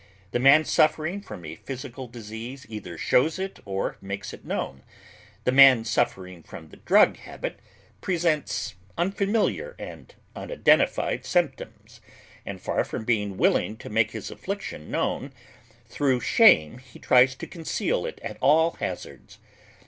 The man suffering from a physical disease either shows it or makes it known; the man suffering from the drug habit presents unfamiliar and unidentified symptoms, and far from being willing to make his affliction known, through shame he tries to conceal it at all hazards.